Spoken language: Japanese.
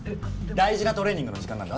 大事なトレーニングの時間なんだ。